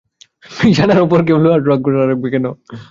বিছানার ওপর কেউ লোহার রড রাখবে কেন?